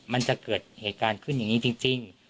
มันจะเกิดเหตุการณ์ขึ้นอย่างนี้จริง